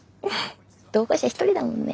同行者１人だもんね。